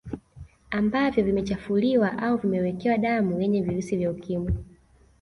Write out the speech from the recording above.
Ambavyo vimechafuliwa au vimewekewa damu yenye virusi vya Ukimwi